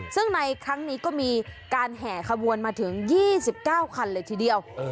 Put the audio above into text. ซึ่งในครั้งนี้ก็มีการแห่ขบวนมาถึง๒๙คันเลยทีเดียว